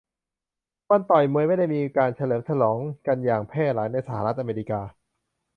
วันต่อยมวยไม่ได้มีการเฉลิมฉลองกันอย่างแพร่หลายในสหรัฐอเมริกา